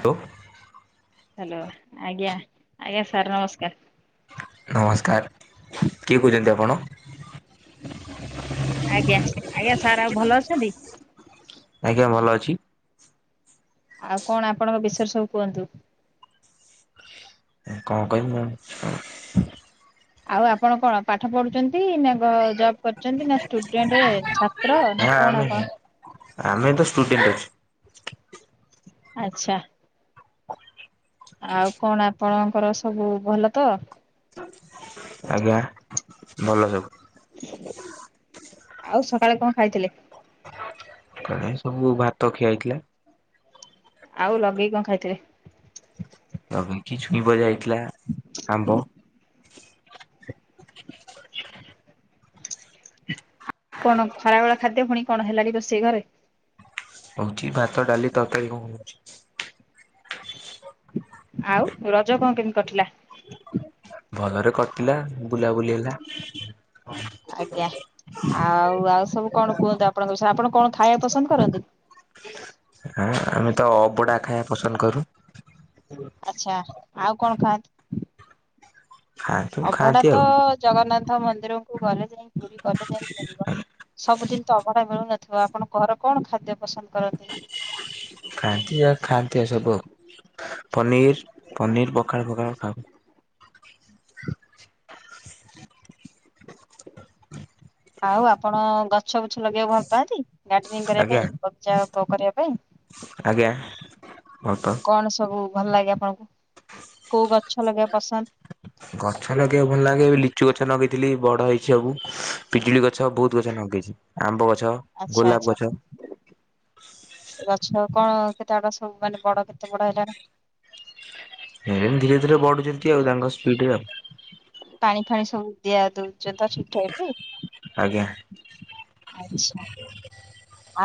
ତୁ ହ୍ୟାଲୋ ଆଜ୍ଞା ଆଜ୍ଞା ସାର୍ ନମସ୍କାର। ନମସ୍କାର କିଏ କହୁଛନ୍ତି ଆପଣ? ଆଜ୍ଞା ଆଜ୍ଞା ସାର୍। ସାର୍ ଭଲ ଅଛନ୍ତି? ଆଜ୍ଞା ଭଲ ଅଛି। ଆଉ କଣ ଆପଣଙ୍କ ବିଷରେ ସବୁ କୁହନ୍ତୁ। କଣ କହିବି ମୁଁ ଆଉ ଆପଣ କଣ ପାଠ ପଢୁଛନ୍ତି ନା ଜବ କରୁଛନ୍ତି ନା ଷ୍ଟୁଡେଣ୍ଟ୍ ଛା ଛାତ୍ର ନା କଣ ଆମେ ଆପଣ ଆମେ ତ ଷ୍ଟୁଡେଣ୍ଟ୍ ଅଛୁ ଆଚ୍ଛା। ଆଉ କଣ ଆପଣଙ୍କର ସବୁ ଭଲ ତ? ଆଜ୍ଞା ଭଲ ସବୁ। ଆଉ ସକାଳେ କଣ ଖାଇଥିଲେ? ସକାଳେ ସବୁ ଭାତ ଖିଆ ହେଇଥିଲା। ଆଉ ଲଗେଇ କଣ ଖାଇଥିଲେ? ଲଗେଇକି ଛୁଇଁ ଭଜା ହେଇଥିଲା, ଆମ୍ୱ। କଣ ଖରାବେଳ ଖାଦ୍ୟ ଫୁଣି କଣ ହେଲାଣି ରୋଷେଇ ଘରେ? ହଉଛି ଭାତ ଡାଲି ତରକାରୀ କଣ ହଉଛି। ଆଉ ରଜ କଣ କେମିତି କଟିଲା? ଭଲରେ କଟିଲା ବୁଲାବୁଲି ହେଲା। ଆଜ୍ଞା ଆଉ ଆଉ ସବୁ କଣ କୁହନ୍ତୁ? ଆପଣଙ୍କ ବିଷୟରେ ଆପଣ କଣ ଖାଇବା ପସନ୍ଦ କରନ୍ତି? ଆମେ ତ ଅବଡ଼ା ଖାଇବା ପସନ୍ଦ କରୁ। ଆଚ୍ଛା ଆଉ କଣ ଖାଆନ୍ତି? ଖାଆନ୍ତୁ ଅଭଡ଼ା ଖାଆନ୍ତି ତ ଆଉ ଜଗନ୍ନାଥ ମନ୍ଦି ମନ୍ଦିର କୁ ଗଲେ ଯାଇ ପୁରୀ ଗଲେ ଯାଇ ମିଳିବ। ସବୁଦିନ ତ ଅଭଡ଼ା ମିଳୁନଥିବ। ଆପଣ ଘର କଣ ଖାଦ୍ୟ ପସନ୍ଦ କରନ୍ତି? ଖାଆନ୍ତି ଯା ଖାଆନ୍ତି ସବୁ ପନିର ପନିର୍ ପଖାଳ ପଖାଳ ଖାଉ ଆଉ ଆପଣ ଗଛ ବୃଛ ଲଗେଇବାକୁ ଭଲ ପାଆନ୍ତି? ଗାର୍ଡେନିଙ୍ଗ କରିବା ଆଜ୍ଞା ପାଇଁ ବଗିଚା କରିବା ପାଇଁ ଆଜ୍ଞା ଭଲ ତ କଣ ସବୁ ଭଲ ଲାଗେ ଆପଣଙ୍କୁ, କୋଉ ଗଛ ଲଗେଇବା ପସନ୍ଦ? ଗଛ ଲଗେଇବା ଭଲ ଲାଗେ ଲିଚୁ ଗଛ ଲଗେଇଥିଲି ବଡ଼ ହେଇଛି ସବୁ ପିଜୁଳି ଗଛ ବହୁତ୍ ଗଛ ଲଗେଇଛି ଆମ୍ବ ଗ ଗଛ ଆଚ୍ଛା ଗୋଲାପ ଆଚ୍ଛା। ଗଛ ସେ ଗଛ କଣ କେତେ ବାଟ ସବୁ ମାନେ ବଡ଼ କେତେ ବଡ଼ ହେଲେଣି? ହେ ଧୀରେ ଧୀରେ ବଢୁଛନ୍ତି ଆଉ ତାଙ୍କ ସ୍ପିଡ ରେ ଆଉ। ପାଣି ଫାଣି ସବୁ ଦିଆ ଦଉଛ ତ ଠିକ ଠାକ ଟି। ଆଜ୍ଞା। ଆଛା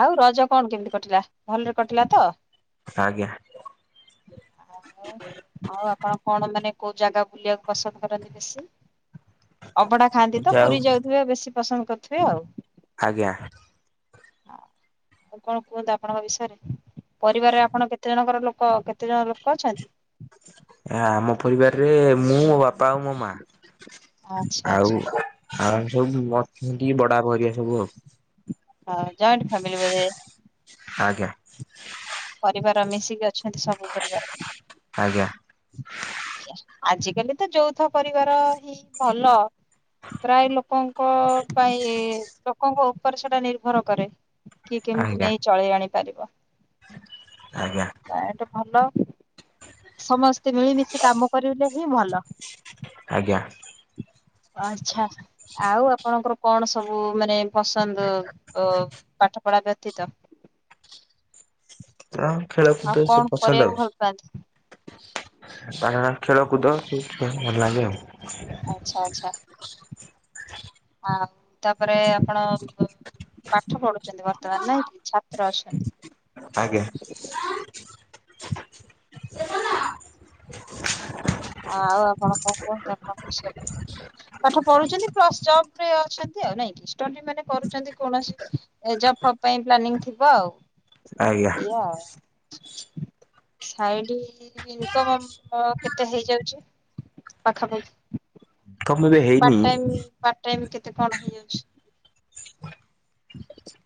ଆଉ ରଜ କଣ କେମିତି କଟିଲା ଭଲରେ କଟିଲା ତ? ଆଜ୍ଞା। ଆଉ ଆଉ ଆପଣ କଣ ମାନେ କୋଉ ଜାଗା ବୁଲିବାକୁ ପସନ୍ଦ କରନ୍ତି ବେଶୀ? ଅଭଢା ଖାନ୍ତି ତ ଯାଉ ପୁରୀ ଯାଉଥିବେ ବେଶୀ। ପସନ୍ଦ କରୁଥିବେ ଆଉ। ଆଜ୍ଞା। ଆଉ କଣ କୁହନ୍ତୁ ଆପଣଙ୍କ ବିଷୟରେ ପରିବାରରେ ଆପଣ କେତେ ଜଣଙ୍କ ଲୋକ କେତେ ଜଣ ଲୋକ ଅଛନ୍ତି? ଏ ଆମ ପରିବାରରେ ମୁଁ ମୋ ବାପା ଆଉ ମୋ ମା। ଆଚ୍ଛା ଆଉ ଆଚ୍ଛା [unintelligible] ସବୁ [unintelligible] ବଡ ବାପା ହେରିକା ସବୁ ଆଉ। ହଁ ଜଏଣ୍ଟ ଫ୍ୟାମିଲି ବଧେ। ଆଜ୍ଞା। ପରିବାର ମିଶିକି ଅଛନ୍ତି ସବୁ ପରିବାର । ଆଜ୍ଞା। ଆଜିକାଲି ତ ଯୌଥ ପରିବାର ହିଁ ଭଲ। ପ୍ରାୟ ଲୋକଙ୍କ ପାଇଁ ଲୋକଙ୍କ ଉପରେ ସେଟା ନିର୍ଭର କରେ। କି କେମିତି ଆଜ୍ଞା ନେଇ ଚଳେଇ ଆଣିପାରିବ। ଆଜ୍ଞା। ଭଲ ସମସ୍ତେ ମିଳିମିଶି କାମ କରିଲେ ହିଁ ଭଲ। ଆଜ୍ଞା। ଆଚ୍ଛା ଆଉ ଆପଣଙ୍କର କଣ ସବୁ ମାନେ ପସନ୍ଦ ଅ ପାଠ ପଢା ବ୍ୟତୀତ ହ ଆଉ ଖେଳକୁଦ କଣ ସବୁ ପସନ୍ଦ କରିବାକୁ ଆଉ। ଭଲ ପାଆନ୍ତି? ତା ଖେଳକୁଦ ଭଲ ଲାଗେ ଆଉ। ଆଚ୍ଛା ଆଚ୍ଛା। ଆଉ ତାପରେ ଆପଣ ପାଠ ପଢୁଛନ୍ତି ବର୍ତ୍ତମାନ ନାଁ କି ଛାତ୍ର ଅଛନ୍ତି। ଆଜ୍ଞା। [inaudible] ଆଉ ଆପଣ କଣ କୁହନ୍ତୁ ଆପଣଙ୍କ ବିଷୟରେ ପାଠ ପଢୁଛନ୍ତି ପ୍ଲସ ଜବରେ ଅଛନ୍ତି ନାଇଁ କି ମାନେ ଷ୍ଟଡି କରୁଛନ୍ତି କୌଣସି ଜବ ଫବ ପାଇଁ ପ୍ଲାନି ଥିବ ଆଉ? ଆଜ୍ଞା। ସାଇଡ଼ି ଇନ୍ କମ୍ ହଁ କେତେ ହେଇଯାଉଛି ପାଖାପାଖି? ତମ ଏବେ ପାଟ ହେଇନି ଟାଇମ୍ ପାଟ ଟାଇମ୍ କେ କେତେ କଣ ହେଇଯାଉଛି?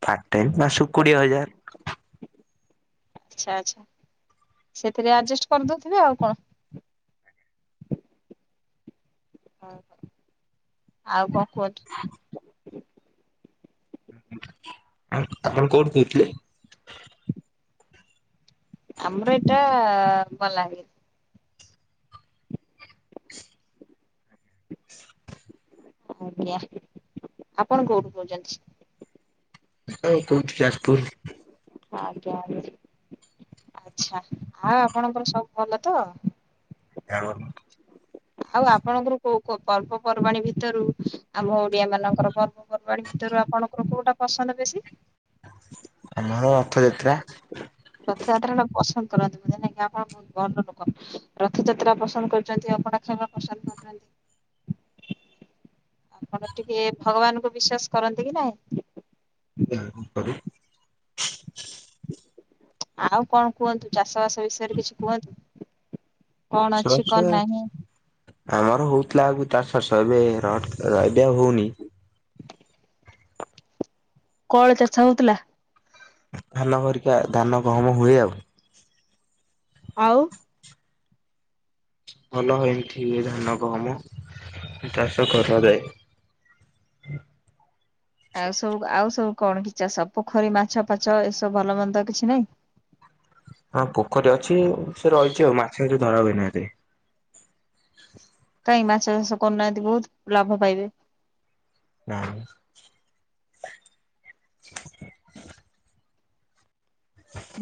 ପାଟ ଟାଇମ୍ ମାସକୁ କୋଡିଏ ହଜାର। ଆଛା ଆଛା ସେଥିରେ ଆଡଜେଷ୍ଟ କରିଦଉଥିବେ ଆଉ କଣ। ହ ଆଉ କଣ କୁହନ୍ତୁ। ଆପଣ କୋଉଠୁ କହୁଥିଲେ? ଆମର ଏଟା ବଲାଙ୍ଗୀର। ଆଜ୍ଞା ଆପଣ କୋଉଠୁ କହୁଛନ୍ତି? ମୁଁ କୋଉ ଠି ଯାଜପୁର। ଆଜ୍ଞା ଆଜ୍ଞା ଆଛା ଆଉ ଆପଣଙ୍କର ସବୁ ଭଲ ତ? ଆଉ ଆପଣଙ୍କର କୋଉ ପର୍ବପର୍ବାଣୀ ଭିତରୁ ଆମ ଓଡିଆ ମାନଙ୍କର ପର୍ବପର୍ବାଣୀ ଭିତରୁ ଆପଣଙ୍କର କୋଉଟା ପସନ୍ଦ ବେଶୀ? ଆମର ରଥଯାତ୍ରା। ରଥଯାତ୍ରା ଟା ପସନ୍ଦ କରନ୍ତି ବୋଧେ ନାଇଁ ଆପଣ ବହୁତ ଭଲ ଲୋକ ରଥଯାତ୍ରା ପସନ୍ଦ କରୁଛନ୍ତି ଅବଢ଼ା ଖାଇବା ପସନ୍ଦ କରୁଛନ୍ତି ଆପଣ ଟିକେ ଭଗବାନଙ୍କୁ ବିଶ୍ଵାସ କରନ୍ତି କି ନାଇଁ। ଆଉ କଣ କୁହନ୍ତୁ ଚାଷବାସ ବିଷୟରେ କିଛି କୁହନ୍ତୁ। କଣ ଅଛି ସରସ କଣ ନାହିଁ ଆମର ହଉଥିଲା ଆଗରୁ ଚାଷ ଫାସ ଏବେ ର ଆଉ ହଉନି। କଳ ଚାଷ ହଉଥିଲା? ଧାନ ହରିକା ଧାନ ଗହମ ହୁଏ ଆଉ। ଆଉ ଭଲ ଏମିଠି ଏ ଧାନ ଗହମ ଚାଷ କରାଯାଏ। ଆଉ ସବୁ ଆଉ ସବୁ କଣ କି ଚାଷ ପୋଖରୀ ମାଛ ଫାଛ ଏସବୁ ଭଲ ମନ୍ଦ କିଛି ନାଇଁ? ହଁ ପୋଖରୀ ଅଛି ସେ ରହିଛି ଆଉ ମାଛ ମାଛ ଧରା ହୁଏନା ଏତେ କାଇଁ ମାଛ ଚାଷ କରୁନାହାନ୍ତି ବହୁତ ଲାଭ ପାଇବେ। [inaudible]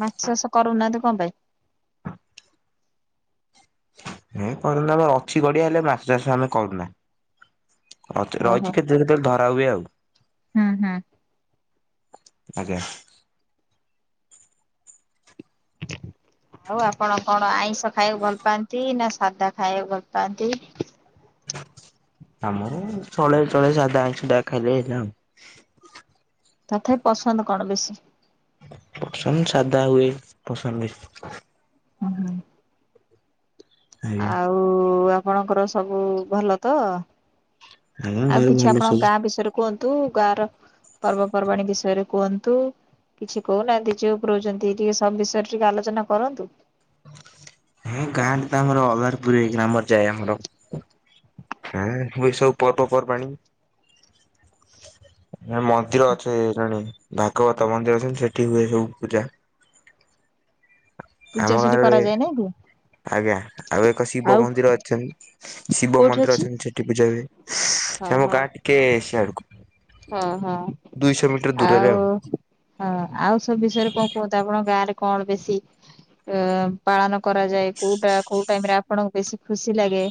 ମାଛ ଚାଷ [inaudible] କଣ ପାଇଁ? ହେ କରୁନା ଆମର ଅଛି ଗଡିଆ ହେଲେ ମାଛ ଚାଷ ଆମେ କରୁନା। ଓହୋ। ରହିଛି କେତେ କେତେବେଳେ ଧରା ହୁଏ ଆଉ। ହୁଁ ହୁଁ। ଆଜ୍ଞା। ଆଉ ଆପଣ କଣ ଆଇଁଷ ଖାଇବାକୁ ଭଲ ପାଆନ୍ତି ନା ସାଧା ଖାଇବାକୁ ଭଲ ପାଆନ୍ତି? ଆମର ଚଳେ ଚଳେ ସାଧା ଆଇଁଷ ଯାହା ଖାଇଲେ ହେଲା ଆଉ। ତଥାପି ପସନ୍ଦ କଣ ବେଶୀ? ପସନ୍ଦ ସାଦା ହୁଏ ପସନ୍ଦ ବେଶୀ। ହୁଁ ହୁ। ଆଜ୍ଞା ଆଉ ଆପ ଣଙ୍କର ସବୁ ଭଲ ତ? ଆଜ୍ଞା ଆଉ ଘରେ କିଛି ଭଲ ଆପଣଙ୍କ ସବୁ? ଗାଁ ବିଷୟରେ କୁହନ୍ତୁ? ନ୍ତୁ ଗାଁ ର ପର୍ବପର୍ବାଣୀ ବିଷୟରେ କୁହନ୍ତୁ କିଛି କହୁନାହାନ୍ତି ଯଉ ଉପ ରହୁଛନ୍ତି ଟିକେ ସବୁ ବିଷୟରେ ଟିକେ ଆଲୋଚନା କରନ୍ତୁ। ହୁଁ ଗାଁରେ ତ ଆମର ଅଲାରପୁର ଏଇ ଗ୍ରାମରେ ଯାଏ ଆମର ହଁ ହୁଏ ସବୁ ପର୍ବପର୍ବାଣି ମନ୍ଦିର ଅଛ ଜଣେ ଭାଗବତ ମନ୍ଦିର ଅଛନ୍ତି ସେଠି ହୁଏ ସବୁ ପୂଜା। ପୂଜା ଆମ ସେଠି ଗାଁରେ କରାଯାଏ ନାଇଁ କି? ଆଜ୍ଞା ଆଉ ଏକ ଶିବ ଆଉ ମନ୍ଦିର ଅଛନ୍ତି ଶିବ କୋଉଠି ମନ୍ଦିର ଅଛି? ଅଛନ୍ତି ସେଠି ପୂଜା ହୁଏ ହଁ ସେ ଆମ ହଁ ଗାଁ ଟିକେ ସିଆଡକୁ ହଁ ହଁ ଦୁଇଶହ ମିଟର ଦୂରରେ ଆଉ ହଁ ଆଉ ସବୁ ବିଷୟରେ କଣ କୁହନ୍ତ ଆପଣଙ୍କ ଗାଁ ରେ କଣ ବେଶୀ ଅ ପାଳନ କରାଯାଏ କୋଉଟା କୋଉ ଟାଇମ ରେ ଆପଣଙ୍କୁ ବେଶୀ ଖୁସି ଲାଗେ?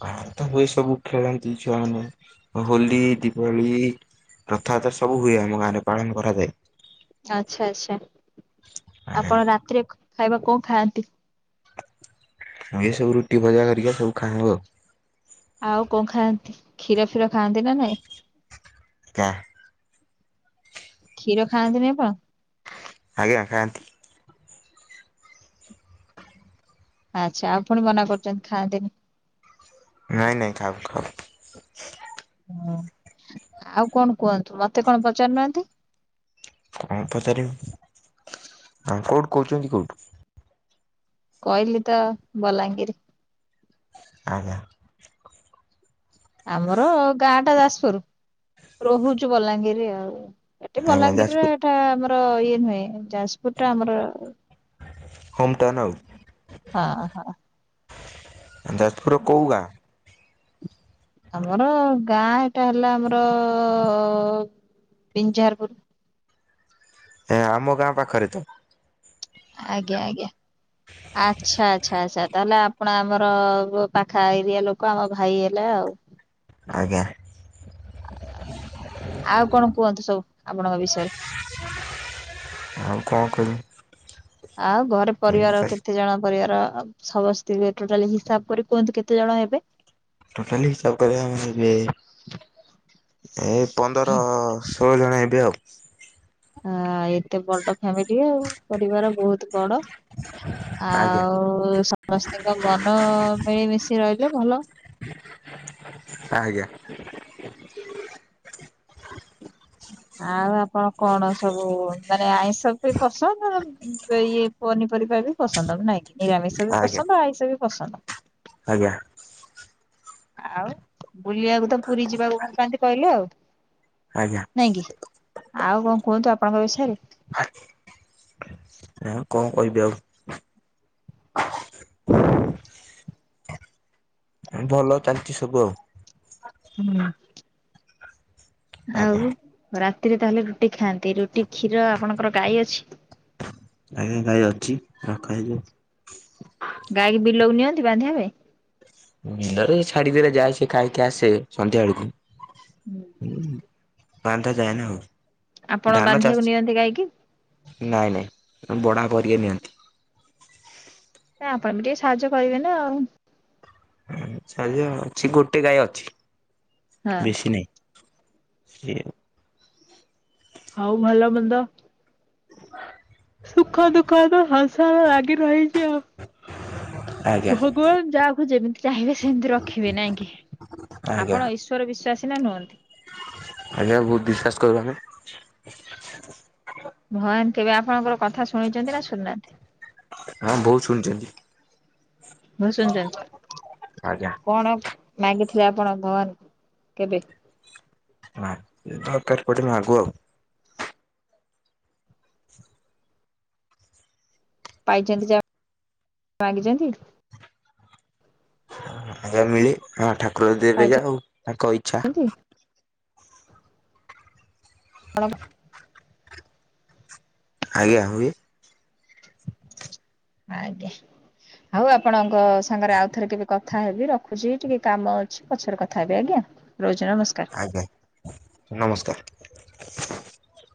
ପ୍ରାଏତ ହୁଏ ସବୁ ଖେଳନ୍ତି ଛୁଆମାନେ ହୋଲି ଦୀପାବଳି ରଥଯାତ୍ରା ସବୁ ହୁଏ ଆମ ଗାଁରେ ପାଳନ କରାଯାଏ। ଆଚ୍ଛା ଆଚ୍ଛା। ଆପଣ ରାତିରେ କ ଖାଇବା କଣ ଖାଆନ୍ତି? ମୁଁ ଏ ସବୁ ରୁଟି ଭଜା କରିକି ସବୁ ଖାଉ ଆଉ। ଆଉ କଣ ଖାଆନ୍ତି କ୍ଷୀର ଫିର ଖାଆନ୍ତି ନା ନାଇଁ? କା କ୍ଷୀର ଖାଆନ୍ତିନି ଆପଣ? ଆଜ୍ଞା ଖାଆନ୍ତି। ଆଚ୍ଛା ଆଉ ପୁଣି ମନା କରୁଛନ୍ତି ଖାଆନ୍ତିନି। ନାଇଁ ନାଇଁ ଖାଉ ଖାଉ ହୁଁ ଆଉ କଣ କୁହନ୍ତୁ ମତେ କଣ ପଚାରୁନାହାନ୍ତି। କଣ ପଚାରିବୁ ଆ କୋଉଠୁ କହୁଛନ୍ତି କୋଉଠୁ କହିଲି ତ ବଲାଙ୍ଗୀର ଆଜ୍ଞା। ଆମର ଗାଁ ଟା ଯାଜପୁର ରହୁଛୁ ବଲାଙ୍ଗୀର ରେ ଆଉ ଏଠି ଆଜ୍ଞା ଭଲାଙ୍ଗୀରରେ ଯାଜପୁର ଏଟା ଆମର ଇଏ ନୁହେଁ। ଯାଜପୁର ଟା ଆମର ହୋମ୍ଟଟାନା ହଁ ହଁ ଯାଜପୁର କୋଉ ଗାଁ? ଆମର ଗାଁ ଏଇଟା ହେଲା ଆମର ପିଞ୍ଝାରପୁର। ଏ ଆମ ଗାଁ ପାଖରେ ତ ଆଜ୍ଞା ଆଜ୍ଞା। ଆଛା ଆଚ୍ଛା ଆଚ୍ଛା ତାହଲେ ପୁଣ ଆମର ପାଖା ଏରିଆ ଲୋକ ଆମ ଭାଇ ହେଲେ ଆଉ। ଆଜ୍ଞା। ଆଉ କଣ କୁହନ୍ତୁ ସବୁ ଆପଣଙ୍କ ବିଷୟରେ? ଆଉ କଣ କରି? ଆଉ ଘରେ ପରିବାର କେତେ ଜଣ ପରିବାର? ସମସ୍ତ ଟୋଟାଲ ହିସାବ କରି କୁହନ୍ତୁ କେତେ ଜଣ ହେବେ? ଟୋଟାଲ ହିସାବ କରିବା ଆମେ ଯଦି ଏ ପନ୍ଦର ସ୍ ଷୋଳ ଜଣ ହେବେ ଆଉ। ଆ ଏତେ ବଡ ଫ୍ୟାମିଲି ଆଉ ପରିବାର ବହୁତ ବଡ। ଆଜ୍ଞା ଆଉ ସ୍ ସମସ୍ତିଙ୍କ ମନ ମିଳିମିଶି ରହିଲେ ଭଲ। ଆ୍ଞା। ଆଉ ଆପଣ କଣ ସବୁ ମାନେ ଆଇଁଷ ବି ପସନ୍ଦ ଆ ଇଏ ପନିପରିବା ବି ପସନ୍ଦ ଆବ ନାଇଁ କି। ନିରାମିଷ ବି ଆଜ୍ଞା ପସନ୍ଦ ଆଇଷ ବି ପସନ୍ଦ? ଆଜ୍ଞା ଆଉ ବୁଲିବାକୁ ତ ପୁରୀ ଯିବାକୁ ଭଲ ପାନ୍ତି କହିଲେ ଆଉ। ଆଜ୍ଞା। ନାଇଁ କି ଆଉ କଣ କୁହନ୍ତୁ ଆପଣଙ୍କ ବିଷୟରେ? [inaudible] ଏ କଣ କହିବି ଆଉ ଭଲ ଚାଲିଛି ସବୁ ଆଉ। ହୁଁ ଆଜ୍ଞା ଆଉ। ରାତିରେ ତାହେଲେ ରୁଟି ଖାଆନ୍ତି ରୁଟି କ୍ଷୀର ଆପଣଙ୍କର ଗାଈ ଅଛି। ଆଜ୍ଞା ଗାଇ ଅଛି ରଖା ହେଇଛି। ଗାଈକି ବିଲକୁ ନିଅନ୍ତି ବାନ୍ଧିବା ପାଇଁ। ବିଲ ରେ ଛାଡିିଦେଲେ ଯାଇ ସେ ଖାଇକି ଆସେ ସନ୍ଧ୍ୟା ବେଳକୁ। ହୁଁ। ବାନ୍ଧା ଯାଏନା ଆଉ। ଆପଣ ଧାନ ଚାଷ ବାନ୍ଧିବାକୁ ନିଅନ୍ତି ଗାଈ କି? ବଡ଼ ବାପ ହେରୀକା ନିଅନ୍ତି। ନା ଆପଣ ବି ଟିକେ ସାହାଯ୍ୟ କରିବେ ନା ଆଉ। ଚ୍ଛା ଯେ ଅଛି ଗୋଟେ ଗାଈ ଅଛି। ହଁ। ବେଶୀ ନାହିଁ। [inaudible] ହଉ ଭଲ ମନ୍ଦ? [inaudible] ସୁଖ ଦୁଃଖ ତ ସଂସାର ଲାଗି ରହିଛି ଆଉ ଆଜ୍ଞା ଭଗବାନ ଯାହାକୁ ଯେମିତି ଚାହିଁବେ ସେମିତି ରଖିବେ ନାଇଁ କି ଆଜ୍ଞା ଆପଣ ଈଶ୍ଵର ବିଶ୍ଵାସି? ସି ନା ନୁହନ୍ତି? ଆଜ୍ଞା ବହୁତ ବିଶ୍ଵାସ କରୁ ଆମେ ଭଗବାନ୍ ଆପଣଙ୍କର କଥା ଶୁଣିଛନ୍ତି ନା ଶୁଣିନାହାନ୍ତି। ହଁ ବହୁତୁ ଶୁଣିଚନ୍ତି। ବହୁତ ଶୁଣଚନ୍ତି, ଆଜ୍ଞା କଣ ମାଗି ଥି ଯେ ଆପଣ ଭଗବାନଙ୍କୁ କେବେ ମା ଏ ଧକାରେ ପଡି ମାଗୁ ଆଉ ପାଇଛନ୍ତି ଯା ମାଗିଚନ୍ତି? ଆଜ୍ଞା ମିଳେ ହଁ ଠାକ କହିଦେଲେ ଯା ହଉ ତାଙ୍କ ଇଚ୍ଛା। ପାଇଛନ୍ତି ଆପଣ ଆଜ୍ଞା ହୁଏ। ଆଜ୍ଞା ଆଉ ଆପଣଙ୍କ ସାଙ୍ଗରେ ଆଉଥରେ କେବେ କଥା ହେବି ରଖୁଛି, ଟିକେ କାମ ଅଛି ପଛରେ କଥା ହେବି ଆଜ୍ଞା। ରହୁଛି ନମସ୍କାର। ଆଜ୍ଞା ନମସ୍କାର। [inaudible]